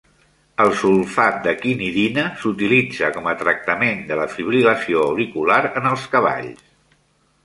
El sulfat de quinidina s'utilitza com a tractament de la fibril·lació auricular en els cavalls.